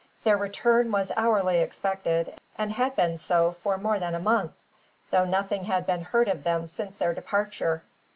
Their return was hourly expected, and had been so for more than a month, though nothing had been heard of them since their departure.